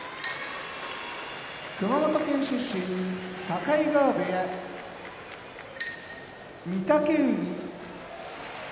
熊本県出身境川部屋御嶽海長野県出身